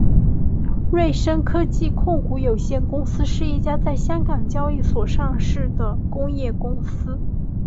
瑞声科技控股有限公司是一家在香港交易所上市的工业公司。